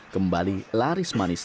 kembali laris manis